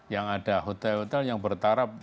yang ada hotel hotel yang bertarap